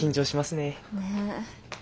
ねえ。